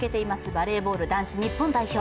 バレーボール男子日本代表。